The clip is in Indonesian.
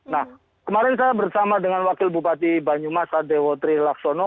nah kemarin saya bersama dengan wakil bupati banyumas adewo tri laksono